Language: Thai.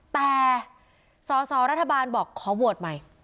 แต่สอสอรัฐบาลบอกขอโหวตใหม่